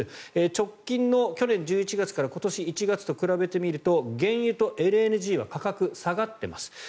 直近の去年１１月から今年１月を比べてみますと原油とＬＮＧは価格が下がってます。